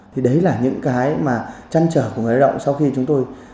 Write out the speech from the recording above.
thì đấy là những cái mà trăn trở của người lao động sau khi chúng tôi